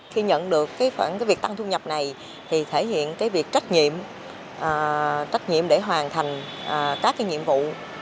khi nhận được việc tăng thu nhập này thì thể hiện việc trách nhiệm để hoàn thành các nhiệm vụ